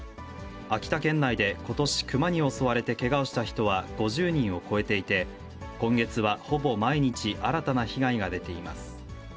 秋田県内でことし、クマに襲われてけがをした人は５０人を超えていて、今月はほぼ毎日新たな被害が出ています。